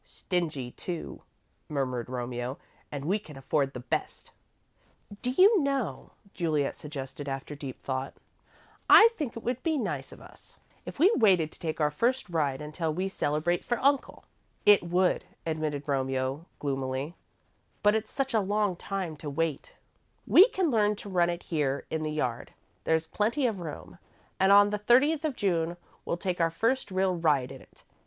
"Stingy, too," murmured Romeo, "and we can afford the best." "Do you know," Juliet suggested, after deep thought, "I think it would be nice of us if we waited to take our first ride until we celebrate for Uncle?" "It would," admitted Romeo, gloomily, "but it's such a long time to wait." "We can learn to run it here in the yard there's plenty of room. And on the thirtieth of June, we'll take our first real ride in it.